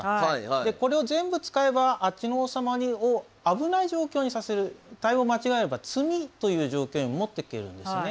でこれを全部使えばあっちの王様を危ない状況にさせる対応を間違えれば詰みという状況にも持っていけるんですね。